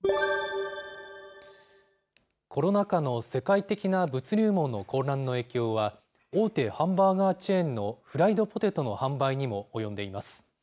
コロナ禍の世界的な物流網の混乱の影響は、大手ハンバーガーチェーンのフライドポテトの販売にも及んでいます。